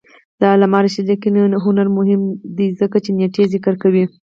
د علامه رشاد لیکنی هنر مهم دی ځکه چې نېټې ذکر کوي.